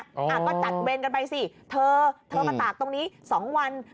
ก็จัดเวรกันไปสิเธอมาตากตรงนี้๒วัน